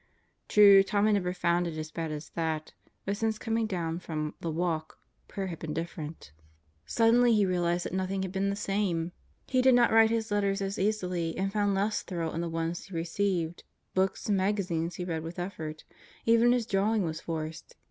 True, Tom had never found it as bad as that, but since coming down from "the walk" prayer had been different. 86 God Goes to Murderers Row Suddenly he realized that nothing had been the same. He did not write his letters as easily and found less thrill in the ones he received. Books and magazines he read with effort. Even his drawing was forced.